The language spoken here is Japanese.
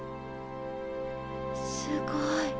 すごい。